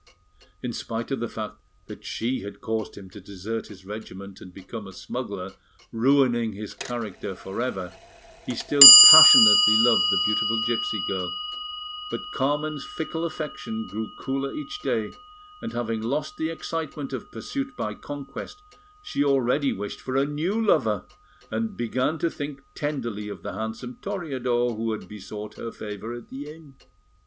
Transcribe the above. In spite of the fact that she had caused him to desert his regiment and become a smuggler, ruining his character for ever, he still passionately loved the beautiful gipsy girl; but Carmen's fickle affection grew cooler each day, and having lost the excitement of pursuit by conquest, she already wished for a new lover, and began to think tenderly of the handsome Toreador who had besought her favour at the inn.